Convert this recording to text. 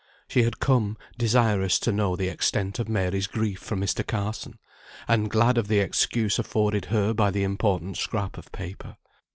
She had come, desirous to know the extent of Mary's grief for Mr. Carson, and glad of the excuse afforded her by the important scrap of paper.